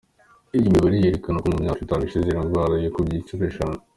Iyi mibare yerekana ko mu myaka itanu ishize, iyi ndwara yikubye inshuro eshanu.